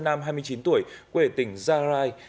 nam hai mươi chín tuổi quê tỉnh gia rai